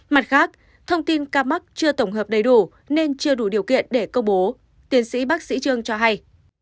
mặt khác thông tin ca mắc chưa tổng hợp đầy đủ nên chưa đủ điều kiện để công bố tiến sĩ bác sĩ trương cho hay